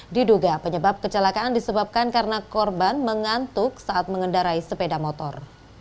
diduga penyebab kecelakaan disebabkan karena korban mengantuk saat mengendarai sepeda motor